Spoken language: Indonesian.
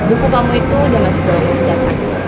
buku kamu itu udah masuk dalam kesejahteraan